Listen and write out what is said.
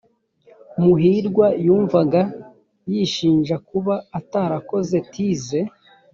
muhirwa yumvaga yishinja kuba atarakoze tize